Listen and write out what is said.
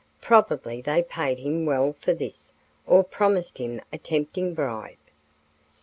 Probably they paid him well for this, or promised him a tempting bribe."